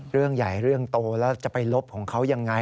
เรื่องใหญ่เรื่องโตแล้วจะไปลบของเขายังไง